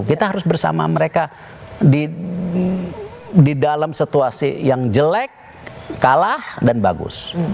kita harus bersama mereka di dalam situasi yang jelek kalah dan bagus